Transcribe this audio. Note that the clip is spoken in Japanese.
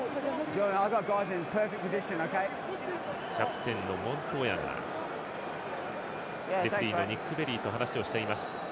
キャプテンのモントーヤがレフリーのニック・ベリーと話をしていました。